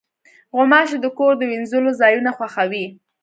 غوماشې د کور د وینځلو ځایونه خوښوي.